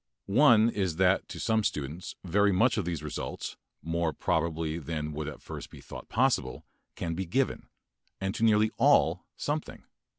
One is that to some students very much of these results, more probably than would at first be thought possible, can be given, and to nearly all something.